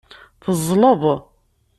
Teẓẓleḍ.